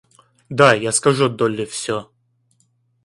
Да, я скажу Долли всё.